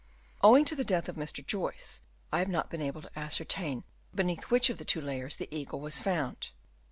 Owing to the death of Mr. Joyce, I have not been able to ascertain beneath which of the two layers the eaffle was found.